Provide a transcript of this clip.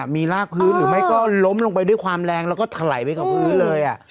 หรือไม่ก็ล้มลงไปด้วยความแรงแล้วก็ถล่ายไปกับพื้นเลยอ่ะ